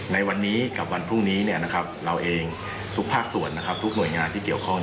ในวันนี้กับวันพรุ่งนี้เราเองทุกภาคส่วนทุกหน่วยงานที่เกี่ยวข้อง